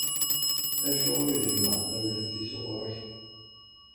Acuɣer i tjemɛeḍ tawlaft-is ɣur-k?